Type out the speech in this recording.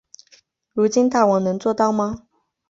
如今大王能做到吗？